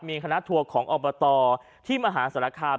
มีคณะทัวร์ของอบตที่มหาศาลคาม